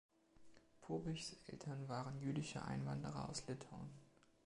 Povichs Eltern waren jüdische Einwanderer aus Litauen.